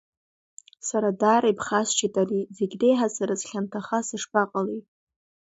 Сара даара иԥхасшьеит ари, зегь реиҳа сара схьанҭаха сышԥаҟалеи?